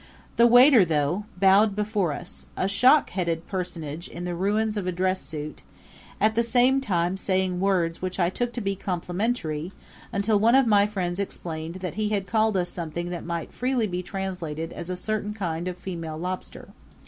The waiter, though, bowed before us a shockheaded personage in the ruins of a dress suit at the same time saying words which I took to be complimentary until one of my friends explained that he had called us something that might be freely translated as a certain kind of female lobster.